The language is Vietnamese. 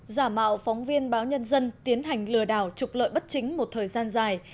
giả mạo phóng viên báo nhân dân tiến hành lừa đảo trục lợi bất chính một thời gian dài